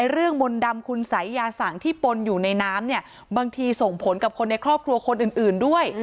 มนต์ดำคุณสัยยาสั่งที่ปนอยู่ในน้ำเนี่ยบางทีส่งผลกับคนในครอบครัวคนอื่นด้วย